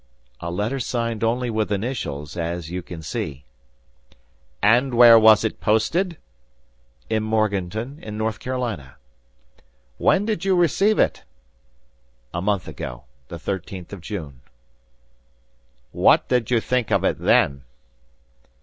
"A letter signed only with initials, as you can see." "And where was it posted?" "In Morganton, in North Carolina." "When did you receive it?" "A month ago, the thirteenth of June." "What did you think of it then?"